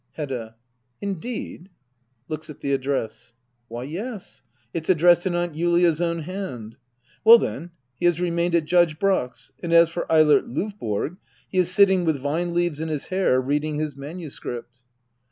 Hedda. Indeed ? [Looks at the address,] Why yes, it's addressed in Aunt Julia's own hand. Well then, he has remained at Judge Brack's. And as for Eilert Lovborg — he is sitting, with vine leaves in his hair, reading his manuscript.